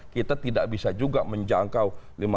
kita tidak bisa juga menjangkau